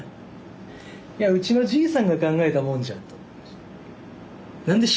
いやうちのじいさんが考えたもんじゃんと思いました。